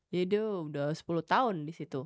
jadi dia udah sepuluh tahun disitu